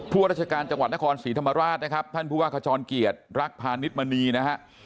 ราชการจังหวัดนครศรีธรรมราชนะครับท่านผู้ว่าขจรเกียรติรักพาณิชมณีนะฮะ